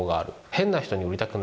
変な人に売りたくない。